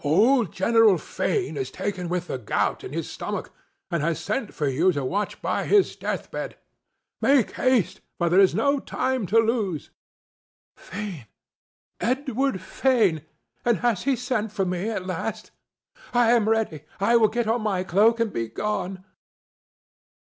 "Old General Fane is taken with the gout in his stomach and has sent for you to watch by his death bed. Make haste, for there is no time to lose."—"Fane! Edward Fane! And has he sent for me at last? I am ready. I will get on my cloak and begone.